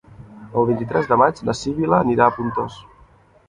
El vint-i-tres de maig na Sibil·la anirà a Pontós.